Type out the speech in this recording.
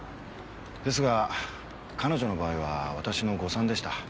ですが彼女の場合は私の誤算でした。